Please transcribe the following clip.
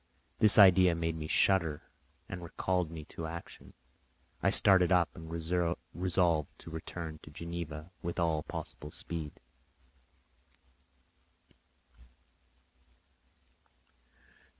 This idea made me shudder and recalled me to action. I started up and resolved to return to Geneva with all possible speed.